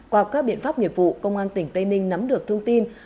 qua các biện pháp nghiệp vụ công an tỉnh tây ninh nắm được thông tin